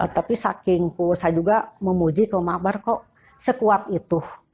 tapi saking ku saya juga memuji ke mama akbar kok sekuat itu